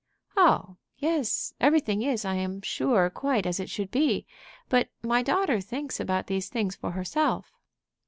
"Oh yes; everything is, I am sure, quite as it should be. But my daughter thinks about these things for herself."